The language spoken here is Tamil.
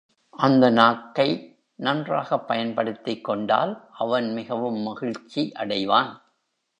அந்த நாக்கை நன்றாகப் பயன்படுத்திக் கொண்டால் அவன் மிகவும் மகிழ்ச்சி அடைவான்.